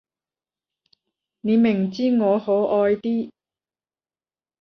你明知我可愛啲